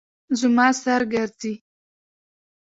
زما سر ګرځي